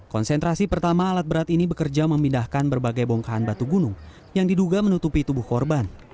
konsentrasi pertama alat berat ini bekerja memindahkan berbagai bongkahan batu gunung yang diduga menutupi tubuh korban